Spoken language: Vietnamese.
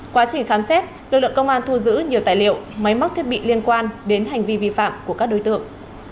quá trình khám xét lực lượng công an thu giữ nhiều tài liệu máy móc thiết bị liên quan đến hành vi vi phạm của các đối tượng